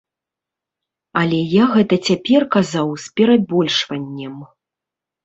Але я гэта цяпер казаў з перабольшваннем!